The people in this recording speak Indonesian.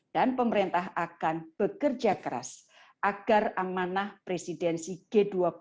dan pemerintah akan bekerja keras agar amanah presidensi g dua puluh